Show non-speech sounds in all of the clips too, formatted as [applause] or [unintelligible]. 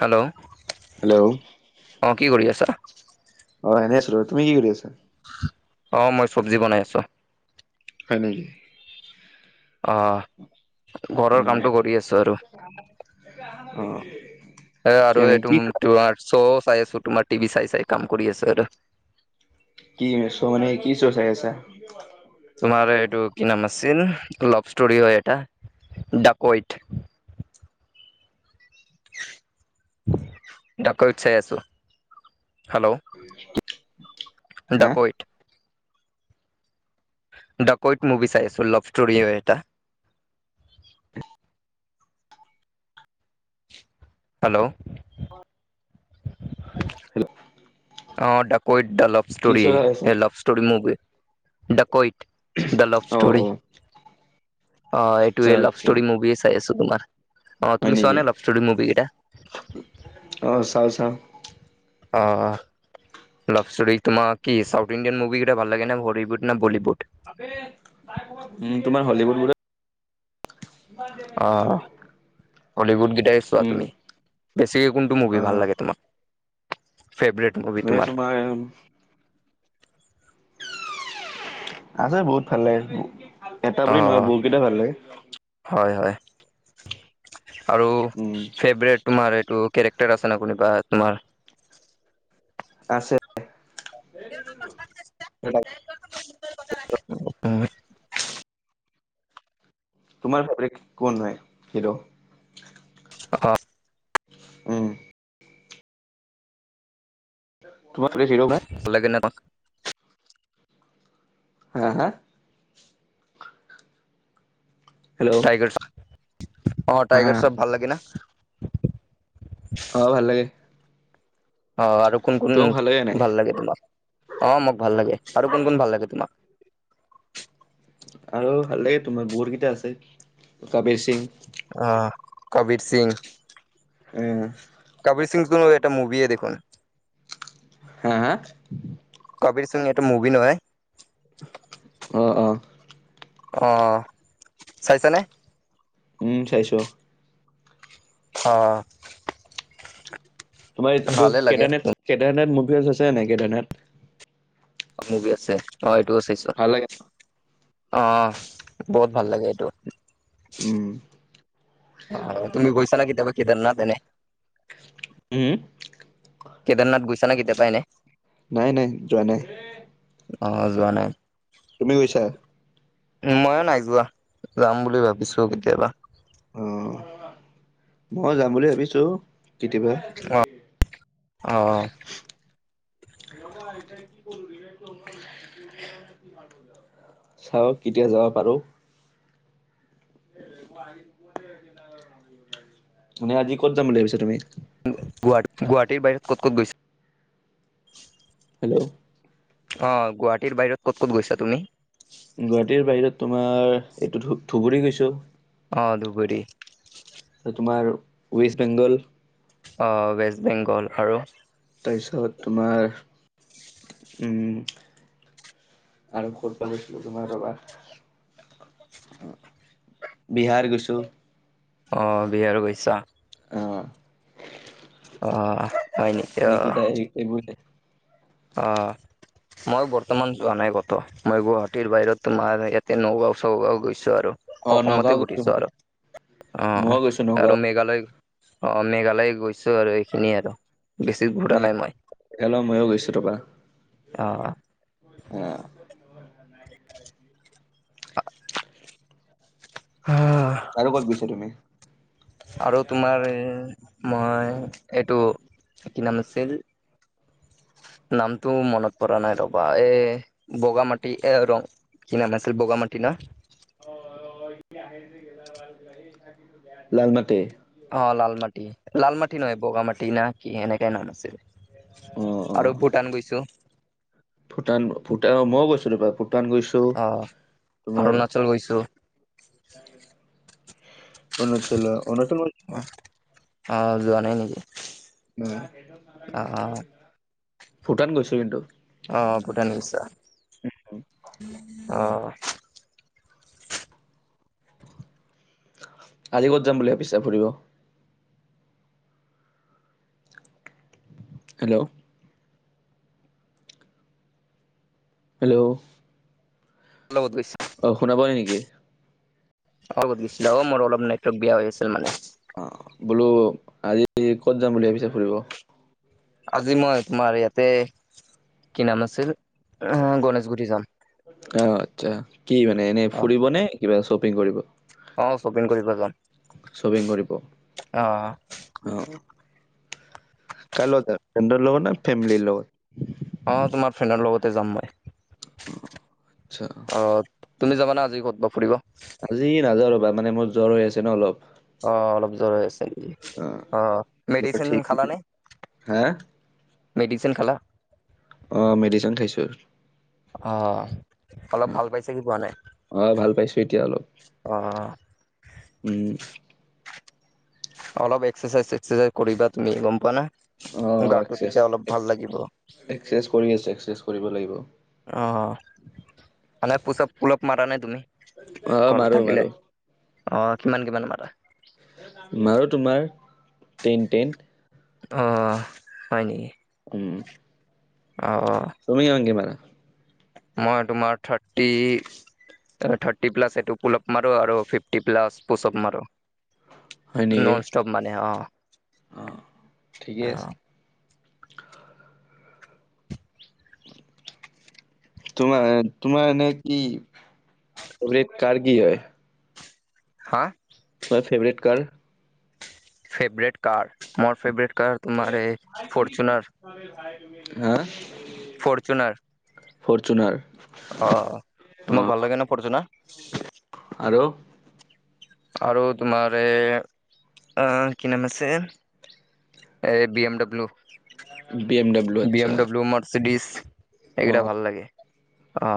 Hello, hello অ', কি কৰি আছা? অ', এনে আছিলো, তুমি কি কৰি আছা? অ', মই চব্জি বনাই আছোঁ। হয় নেকি? অ'। ঘৰৰ উম', কামটো কৰি আছো আৰু অ'। এ, আৰু কেনে এইটো কি তোমাৰ শ্ব চাই আছোঁ, তোমাৰ টিভি চাই চাই কাম কৰি আছোঁ আৰু। কি? শ্ব মানে কি শ্ব চাই আছা? তোমাৰ এইটো কি নাম আছিল, লাভ ষ্টৰি হয় এটা ডাকৈট। ডাকৈট চাই আছোঁ, হেল্ল'। হা? ডাকৈত ডাকৈইট মুভি চাই আছোঁ, লভ ষ্টৰি হয় এটা। হেল্ল'। হেল্ল'। অ', ডাকৈইট দা লাভ কি ষ্টৰি, শ্ব' চাই আছা? Love story movie ডাকৈইট। The love অ' ষ্টৰি, অ' অ', আচ্ছা এইটোৱেই লাভ আচ্ছা ষ্টৰি মুভি। [unintelligible] তোমাৰ, অ' হয় তুমি নেকি? চোৱা নে, লাভ ষ্টৰি মুভি কেইটা? অ', চাওঁ, চাওঁ। অ', অ'। লাভষ্টৰি তোমাক কি চাউথ ইণ্ডিয়ান মুভি কেইটা ভাল লাগে, হলিউড নে বলিউড? উম', তোমাৰ হলিউড বো অ'। হলিউড কিটাইয়ে চোৱা উম তুমি, বেছিকৈ কোনটো মুভি ভাল অ' লাগে তোমাক? ফেভৰেট মুভি তোমাৰ? [unintelligible] আছে বহুত ভাল লাগে, এটা অ বুলি নহয় বহুত কেইটা ভাল লাগে। হয়, হয়, আৰু উম ফেভৰেট তোমাৰ এইটো কেৰেক্টাৰ আছে ন', কোনোবা তোমাৰ। আছে। [unintelligible] তোমাৰ ফেভৰেট কোন হয়, হিৰো? অ'। উম [unintelligible] [unintelligible] হা, হা? হেল্ল'। টাইগাৰ অ' হা টাইগাৰচব ভাল লাগে ন? অ', ভাল লাগে। অ', আৰু কোন কোন তোমাক লাগে নাই? ভাল লাগে তোমাক, অ' মোক ভাল লাগে আৰু কোন কোন ভাল লাগে তোমাক? আৰু ভাল লাগে, তোমাৰ বহুত কেইটা আছে, কাবিৰ সিং। অ', কাবীৰ সিং। উম'। কবিৰ সিং টো এটা মুভিয়ে দেখোন। হা হা? কবিৰ সিং এইটো মুভি নহয়? অ', অ'। অ', চাইছানে? উম, চাইছোঁ। অ'। তোমাৰ এইটো ভালে লাগে কেদাৰনাথ, কেদাৰনাথ মুভি আছে, চোৱা নাই কেদাৰনাথ। অ', মুভি আছে অ', এইটোও চাইছোঁ ভাল লাগে অ', বহুত ভাল লাগে এইটো। উম। অ', তুমি গৈছাঁ নে কতিয়াবা কেদাৰনাথ এনে। উম। কেদাৰনাথ গৈছা নে, কেতিয়াবা এনে? নাই, নাই, যোৱা নাই। অ', যোৱা নাই। তুমি গৈছা? ময়ো নাই যোৱা, যাম বুলি ভাবিছোঁ কেতিয়াবা। উম, মই যাম বুলি ভাবিছোঁ কেতিয়াবা। অ অ ম কি কৰ [unintelligible] চাও কেতিয়া যাব পাৰো। মানে আজি ক'ত যাম বুলি ভাবিছা তুমি? গুৱাহাটীৰ বাহিৰত ক'ত ক'ত গৈছা? হেল্ল'। অ', গুৱাহাটীৰ বাহিৰত ক'ত ক'ত গৈছা তুমি? গুৱাহাটীৰ বাহিৰত তোমাৰ এইটো ধ ধুবুৰী গৈছোঁ। অ', ধুবুৰী। তোমাৰ ৱেষ্ট বেংগল। ৱেষ্ট বেংগল আৰু। তাৰপিছত তোমাৰ উ আৰু ক'ত বা গৈছিলো তোমাৰ ৰ'বা। বিহাৰ গৈছোঁ। অ', বিহাৰ গৈছা। আহ। অ', হয় নি। এইকেইটাই এই এইবো [unintelligible] অ'। মই বৰ্তমান যোৱা নাই ক'তো মই গুৱাহাটীৰ বাহিৰত তোমাৰ ইয়াতে নগাঁও ছগাঁও গৈছোঁ আৰু। অ নগাঁও অসমতে গৈছো ঘূৰিছো মই আৰু অ', ময়ো গৈছো আৰু নগাঁও মেঘালয় অ', মেঘালয় গৈছোঁ আৰু এইখিনিয়ে আৰু বেছি ঘূৰা নাই মই। মলো ময়ো গৈছোঁ ৰবা। অ'। অ'। [inaudible] আৰু ক'ত গৈছা তুমি? আৰু তোমাৰ মই এইটো কি নাম আছিল? নামটো মনত পৰা নাই ৰ'বা এ বগা মাটি এ ৰং কি নাম আছিল বগা মাটি না। লালমাটি। অ', লাল মাটি লাল মাটি নহয় বগা মাটি না কি এনেকাই নাম আছিল। অ অ আৰু ভূটান গৈছোঁ। ভূটান ভূটান মই গৈছিলোঁ, ভূটান গৈছোঁ। অ', অৰুণাচল গৈছোঁ। অৰুণাচল অৰুণাচল [unintelligible] অ', যোৱা নাই নেকি? অ ভূটান গৈছোঁ কিন্তু। অ', ভুটান গৈছা অ'। আজি ক'ত যাম বুলি ভাবিছা ফুৰিব? হেল্ল'। হেল্ল'। ল'গত গৈছোঁ। অ', শুনা পাই কি? অ', গত গৈছিলে অ', মোৰ অলপ নেটৱৰ্ক বিয়া হৈ আছিল মানে। অ', বোলো আজি ক'ত যাম বুলি ভাবিছ ফুৰিব? আজি মই তোমাৰ ইয়াতে কি নাম আছিল এ গণেশগুৰি যাম। আহ আচ্ছা কি মানে এনে অ ফুৰিব নে কিবা শ্বপিং কৰিব? অ শ্বপিং কৰিব যাম শ্বপিং কৰিব। অ অ', কাৰ লগত ফ্ৰেণ্ড লগত ন ফেমিলি লগত? অ', তোমাৰ ফ্ৰেণ্ডৰ লগতে যাম মই। অ', আচ্ছা। অ', তুমি যাবানে আজি ক'ত বা ফুৰিব? আজি নাযাওঁ ৰ'বা মানে মোৰ জ্বৰ হৈ আছে ন অলপ। অ', অলপ জ্বৰ হৈ আছে নেকি, অ, আহ জ্বৰ মেডিচিন ঠিক খালানে? হা মেডিচিন খালা? অ', মেডিচিন খাইছোঁ। অ', অলপ অ', ভাল পাইছে কি কোৱা নাই অ ভাল পাইছোঁ এতিয়া অলপ অ'? উম। অলপ এক্সাৰচাইজ চাৰচাইজ কৰিবা তুমি গম প না অ', গাটো এক্সেছ তেতিয়া অলপ ভাল লাগিব। এক্সাৰচাইজ কৰি আছোঁ, এক্সাৰচাইজ কৰিব লাগিব। অ', মানে পুচাপ পুলাপ মাৰ নাই তুমি অ', ঘৰত মাৰো মাৰো থাকিলে? অ', কিমান কিমান মাৰা? মাৰো তোমাৰ টেইন টেন। অ', হয় নেকি? উম। আ অ'। তুমি কিমানকে মাৰা? মই তোমাৰ থাৰ্টি থাৰ্টি প্লাছ এইটো পোলাপ মাৰো আৰু ফিফটি প্লাছ পূচাপ মাৰো। হয় নেকি ন'ন ষ্টপ মানে অ'। অ', ঠিকে আছে। অ'। তোমাৰ তোমাৰ এনে কি ফেভৰেট কাৰ কি হয়? হা? তোমাৰ ফেভৰেট কাৰ? ফেভৰেট কাৰ মোৰ ফেভাৰেট কাৰ তোমাৰ এই ফৰচুনাৰ। হা? ফৰ্চুনাৰ। ফৰ্চুনাৰ। অ', তোমাক ভাল লাগে না ফৰ্চুনাৰ? আৰু? আৰু তোমাৰ এ কি নাম আছে। এই B MW B M W B আচ্ছা এমডব্লু মৰ্চিডিছ। এইকেইটা অ', ভাল লাগে অ'।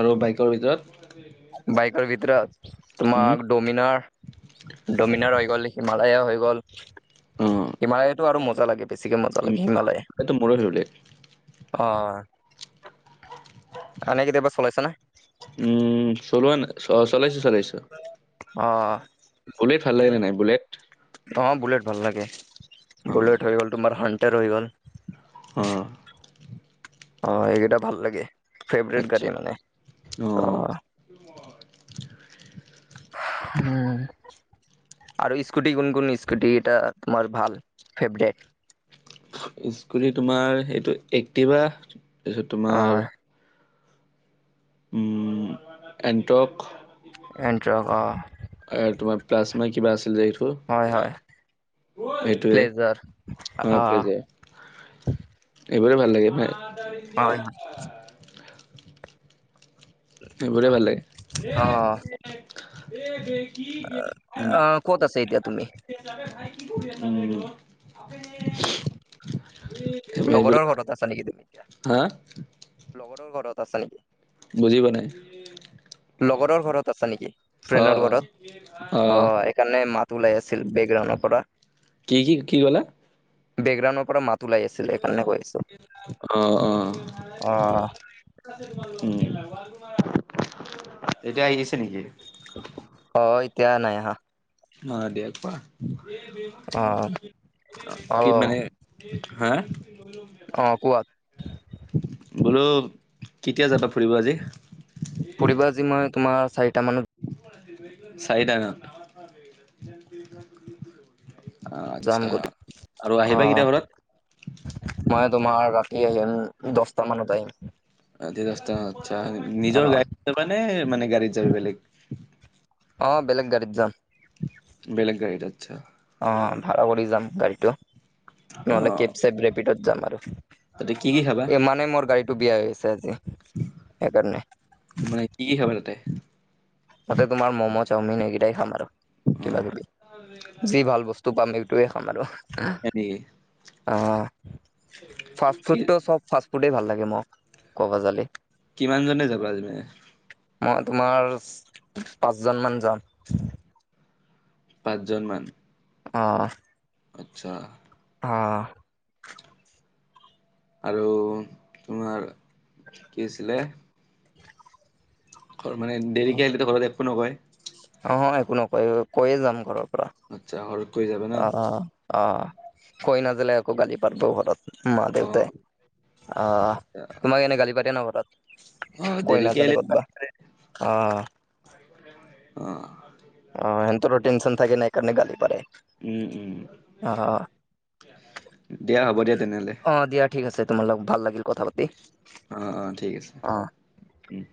আৰু বাইকৰ ভিতৰত? বাইকৰ ভিতৰত উম, তোমাৰ ড'মিনাৰ ড'মিনাৰ হৈ গ'ল হিমালয়ে হৈ গ'ল। অ', হিমালয়তো আৰু মজা লাগে বেছিকে মজা লাগে হিমালয়। টো মোৰো ফেভৰেট অ'। [unintelligible] আনে কেতিয়াবা চলাইছে না। উম চলোৱা নাই চলাইছোঁ চলাইছোঁ। অ'। বুলেট ভাল লাগে নে নাই বুলেট। অ', বুলেট ভাল লাগে অ', বুলেট হৈ গ'ল তোমাৰ হানটাৰ হৈ গ'ল। অ'। অ', এইকেইটা ভাল লাগে ফেভৰেট আচ্ছা গাড়ী মানে অ'। [unintelligible] আৰু স্কুটি কোন কোন স্কুটি এটা তোমাৰ ভাল ফেভৰেট। স্কুটি তোমাৰ সেইটো এক্টিভা তাৰপিছত অ তোমাৰ উম এণ্টক। এণ্ট্ৰক অ'। এ, তোমাৰ প্লাজ নে কিবা আছিল যে এইটো হয় হয় সেইটোৱে, প্লেজাৰ অ', প্লাজে। এইবোৰে ভাল লাগে প্ৰায়। হয়, হয়। সেইবোৰে ভাল লাগে। অ কি অ ক'ত আছে এতিয়া তুমি [unintelligible] ভাই কি কৰি আ ঘ [unintelligible] লগৰৰ ঘৰত আছা নেকি তুমি, এতিয়া লগৰৰ ঘৰত আছা নেকি? বুজি পোৱা নাই। লগৰৰ ঘৰত আছা নেকি? অ ফ্ৰেণ্ডৰ ঘৰত, অ'। সেইকাৰণে মাত ওলাই আছিল, বেকগ্ৰাউণ্ডৰ পৰা। কি, কি, কি ক'লা? বেকগ্ৰাউণ্ডৰ পৰা মাত লাই আছিল সেইকৰণে কৈ আছোঁ, অ অ অ'। উম, এতিয়া আহিছে নেকি? অ', এতিয়া নাই আহা। দিয়ক পোৱা অ [unintelligible] অ কি মানে হা? অ', কোৱা। বোলো, কেতিয়া যাবা ফুৰিব আজি? ফুৰিব আজি মই তোমাৰ চাৰিটা মানত। চাৰিটা ন'। যাম আচ্ছা, গ আৰু অ আহিবা কেতিয়া ঘৰত? মই তোমাৰ ৰাতি আহিম, দহটা মানত আহিম। আ, ৰাতি দহটা আচ্ছা, অ নিজৰ গাড়ীত যাবাানে, মানে গাড়ীত যাবি বেলেগ। অ', বেলেগ গাড়ীত যাম। বেলেগ গাড়ীত আচ্ছা। অ', ভাড়া কৰি যাম গাড়ীটো, অ নহ'লে কেব চেব, ৰেপিডত যাম আৰু। তাতে কি কি খাবা এ, মানে মোৰ গাড়ীটো বেয়া হৈছে আজি, সেইকাৰণে। মানে কি, কি খাবা তাতে? তাতে তোমাৰ ম'ম', চাওমিন এইকেইটাই খাম আৰু অ কিবা কিবি, যি ভাল বস্তু। টো পাম, এইটোয়ে খাম আৰু। [unintelligible] অ' হয়। ফাষ্ট কি ফুডটো, চব ফাষ্ট ফুডেই ভাল লাগে মোক ক'ব যালে। কিমান জনে যাব আজি? মই তোমাৰ, পাঁচজনমান যাম। পাঁচজনমান? অঁ। আচ্ছা। অঁ। আৰু তোমাৰ কি আছিলে? ঘৰ মানে, দেৰিকে আহিলেটো ঘৰত একো নকয়। অ', অ', একো নকয়, কৈয়ে যাম ঘৰৰ পৰা। আচ্ছা ঘৰত কৈ যাব ন'? অ', অ', কৈ নাজালে আকৌ গালি পাৰিব ঘৰত। মা অ দেউতাই, আহ তোমাক এনে গালি পাৰে নে ঘৰত? অ', কৈ দেৰিকে নাযালে আহিলে ক'তবা অ', [unintelligible] অ'। অ', সিহঁতৰো টেনশ্যন থাকে না সেই কাৰণে গাালি পাৰে। উম, উম, অ', দিয়া হ'ব দিয়া তেনেহ'লে। অ', দিয়া ঠিক আছে তোমালোক, ভাল লাগিল কথা পাতি। অ', অ', ঠিক আছে, অ'। উম।